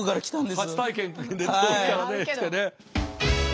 初体験で遠くからね来てね。